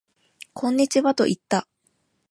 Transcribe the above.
こんにちはと言った